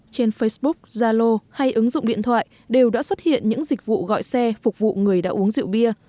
trên facebook zalo hay ứng dụng điện thoại đều đã xuất hiện những dịch vụ gọi xe phục vụ người đã uống rượu bia